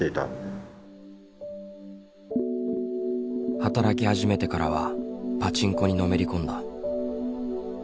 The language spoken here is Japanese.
働き始めてからはパチンコにのめり込んだ。